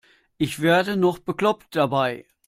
Ich werde noch bekloppt dabei.